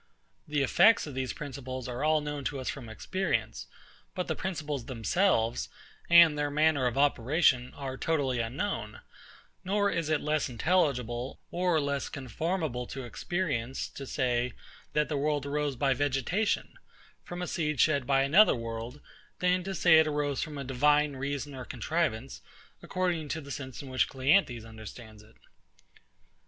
The effects of these principles are all known to us from experience; but the principles themselves, and their manner of operation, are totally unknown; nor is it less intelligible, or less conformable to experience, to say, that the world arose by vegetation, from a seed shed by another world, than to say that it arose from a divine reason or contrivance, according to the sense in which CLEANTHES understands it.